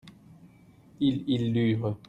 ils, ils lûrent.